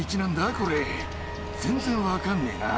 これ全然分かんねえな。